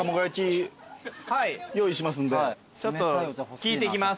ちょっと聞いてきます。